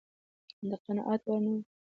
د قناعت وړ نه و.